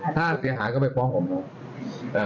ถ้าเสียหายก็ไปฟ้องผมเนอะ